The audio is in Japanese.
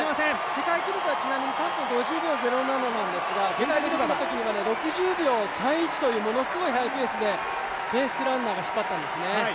世界記録は３分５０秒０７なんですが、６０秒３１というものすごいハイペースでペースランナーが引っ張ったんですね。